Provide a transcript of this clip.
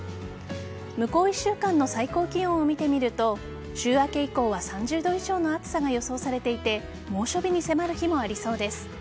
向こう１週間の最高気温を見てみると週明け以降は３０度以上の暑さが予想されていて猛暑日に迫る日もありそうです。